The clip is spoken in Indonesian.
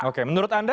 oke menurut anda